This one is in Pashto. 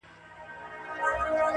او د خلکو په منځ کي پرېوځي-